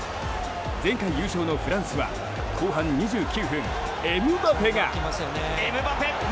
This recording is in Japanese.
前回優勝のフランスは後半２９分、エムバペが。